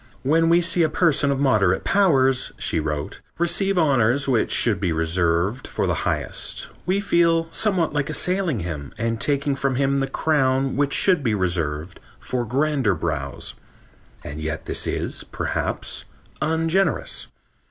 "When we see a person of moderate powers," she wrote, "receive honors which should be reserved for the highest, we feel somewhat like assailing him and taking from him the crown which should be reserved for grander brows. And yet this is, perhaps, ungenerous....